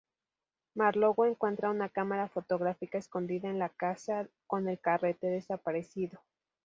Marlowe encuentra una cámara fotográfica escondida en la casa con el carrete desaparecido.